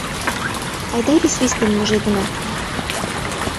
Айда висвис дене мужедына.